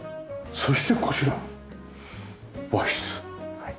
そしてこちら和室。